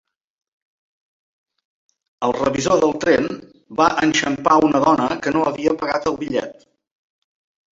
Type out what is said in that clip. El revisor del tren va enxampar una dona que no havia pagat el bitllet.